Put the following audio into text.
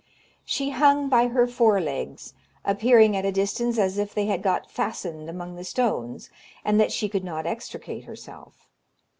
She hung by her fore legs, appearing at a distance as if they had got fastened among the stones, and that she could not extricate herself.